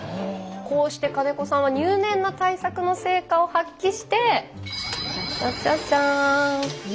こうして金子さんは入念な対策の成果を発揮してチャチャチャチャーン。